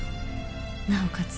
なおかつ